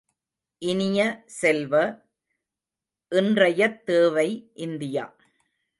இனிய செல்வ, இன்றையத் தேவை இந்தியா.